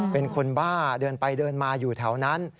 เป็นคนบ้าเดินไปเดินมาอยู่แถวนั้น